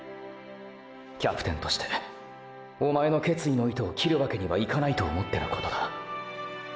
キャプテンとしておまえの決意の糸を切るわけにはいかないと思ってのことだ。